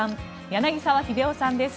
柳澤秀夫さんです。